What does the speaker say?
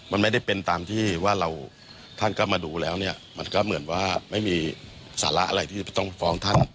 มันไม่ได้เป็นตามที่ท่านกลับมาดูแล้วมันก็เหมือนว่าไม่มีศาละอะไรที่ต้องฟ้องท่าน